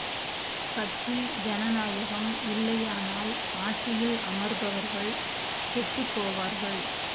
கட்சி ஜனநாயகம் இல்லையானால் ஆட்சியில் அமர்பவர்கள் கெட்டுப் போவார்கள்.